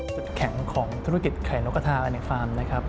แข็งของธุรกิจไข่นกกระทาในฟาร์มนะครับ